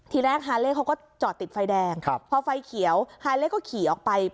ทีแรกฮาเล่เขาก็จอดติดไฟแดงพอไฟเขียวฮาเล่ก็ขี่ออกไป